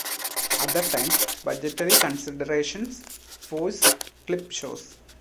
Other times budgetary considerations force clip shows.